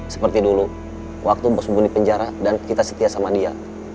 seperti dulu waktu bersembunyi di penjara dan kita setia sama dia